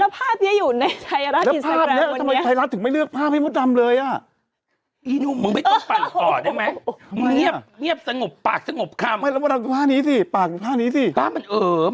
ภาพพี่มดอยู่ข้างหลังในนั้น